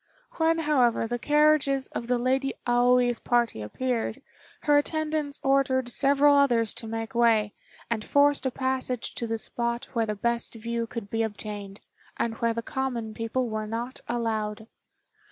When, however, the carriages of the Lady Aoi's party appeared, her attendants ordered several others to make way, and forced a passage to the spot where the best view could be obtained, and where the common people were not allowed.